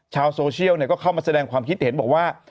ชาวโซเชียลก็เข้ามาแสดงความคิดเห็นบอกว่า